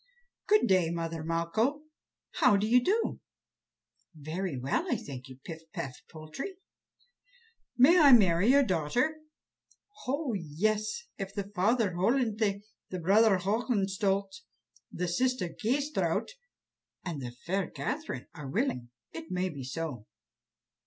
"Good day, mother Malcho. How do you do?" "Very well, I thank you, Pif paf Poltrie." "May I marry your daughter?" "Oh, yes! if the father Hollenthe, the brother Hohenstolz, the sister Kâsetraut, and the fair Catherine are willing, it may be so."